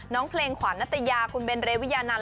คุณเลงขวานนัตยาคุณเบนเรวิยานันทร์